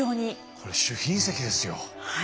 これ主賓席ですよ。